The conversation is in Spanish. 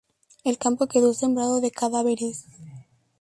El campo quedó sembrado de cadáveres.